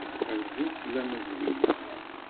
Azul fell-am a Zwina.